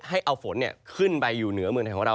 ให้เอาฝนขึ้นไปอยู่เหนือเมืองไทยของเรา